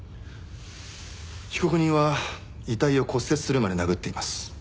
被告人は遺体を骨折するまで殴っています。